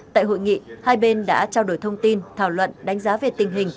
tại hội nghị hai bên đã trao đổi thông tin thảo luận đánh giá về tình hình